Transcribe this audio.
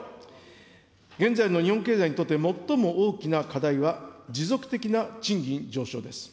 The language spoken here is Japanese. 現在の日本経済にとって最も大きな課題は、持続的な賃金上昇です。